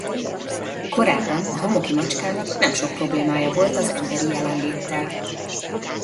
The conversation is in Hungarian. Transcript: Korábban a homoki macskának nem sok problémája volt az emberi jelenléttel.